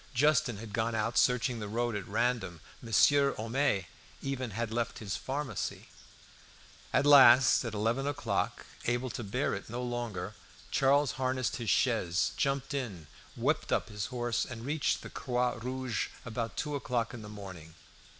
Justin had gone out searching the road at random. Monsieur Homais even had left his pharmacy. At last, at eleven o'clock, able to bear it no longer, Charles harnessed his chaise, jumped in, whipped up his horse, and reached the "Croix Rouge" about two o'clock in the morning.